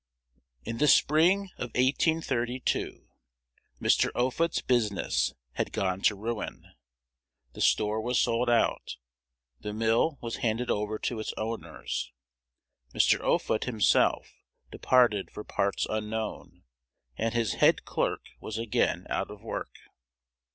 IN the spring of 1832, Mr. Offutt's business had gone to ruin: the store was sold out, the mill was handed over to its owners, Mr. Offutt himself departed for parts unknown, and his "head clerk" was again out of work.